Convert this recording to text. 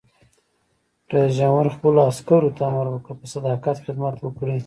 رئیس جمهور خپلو عسکرو ته امر وکړ؛ په صداقت خدمت وکړئ!